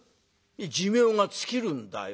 「寿命が尽きるんだよ」。